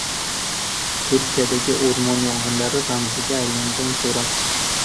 Turkiyadagi o‘rmon yong‘inlari ramziga aylangan surat